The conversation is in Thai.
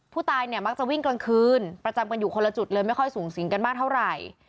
ผู้ตายเนี่ยมักจะวิ่งกลางคืนประจำกันอยู่คนละจุดเลยไม่ค่อยสูงสิงกันมากเท่าไหร่